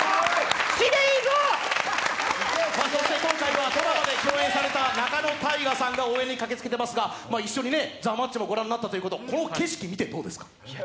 今回はドラマで共演された仲野太賀さんが応援に駆けつけてますが一緒に「ＴＨＥＭＡＴＣＨ」もご覧になったということこの景色を見て、どうですか？